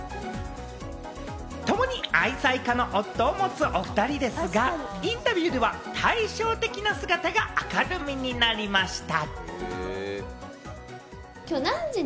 ともに愛妻家の夫を持つお２人ですが、インタビューでは対照的な姿が明るみになりました。